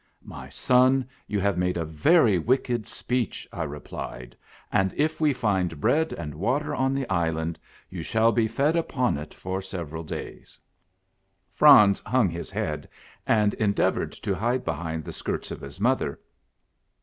" My son, you have made a very wicked speech," I replied, "and if we find bread and water on the island, you shall be fed upon it for several days." Franz hung his head, and endeavored to hide behind the skirts of his mother.